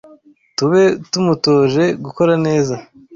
tube tumutoje gukora neza